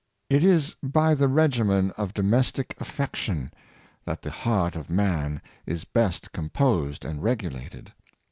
It is by the regimen of domestic affection that the heart of man is best composed and regulated.